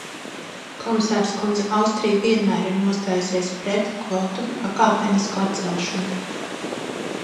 Komisāres kundze, Austrija vienmēr ir nostājusies pret kvotu pakāpenisku atcelšanu.